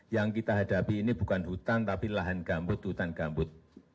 yang kita hadapi ini bukan hutan tapi lahan gambut hutan gambut